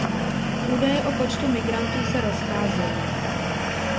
Údaje o počtu migrantů se rozcházejí.